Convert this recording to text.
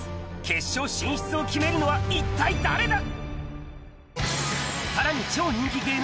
決勝進出を決めるのは、一体誰だ。